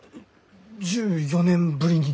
１４年ぶりに？